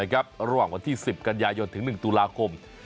ระหว่างวันที่๑๐กันยายนถึง๑ตุลาคม